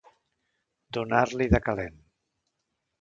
Donar-li de calent.